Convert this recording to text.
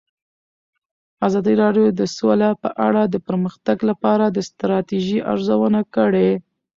ازادي راډیو د سوله په اړه د پرمختګ لپاره د ستراتیژۍ ارزونه کړې.